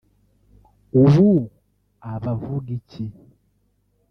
ubu aba avuga iki